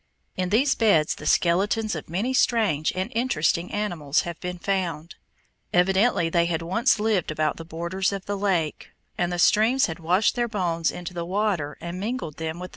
In these beds the skeletons of many strange and interesting animals have been found. Evidently they had once lived about the borders of the lake, and the streams had washed their bones into the water and mingled them with the sediment.